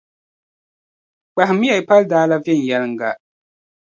Kpahimmiya paldaa la viɛnyɛliŋga.